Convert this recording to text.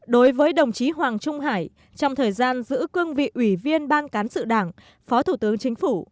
đối với đồng chí hoàng trung hải trong thời gian giữ cương vị ủy viên ban cán sự đảng phó thủ tướng chính phủ